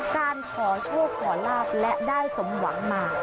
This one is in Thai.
การขอโชคขอลาบและได้สมหวังมา